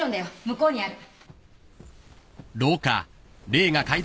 向こうにある。